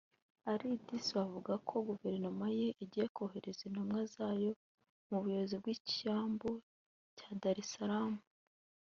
Ali Idisiwa avuga ko guverinoma ye igiye kohereza intumwa zayo mu buyobozi bw’ icyambu cya Dar Es Salaam